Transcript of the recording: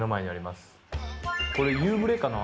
これ夕暮れかな？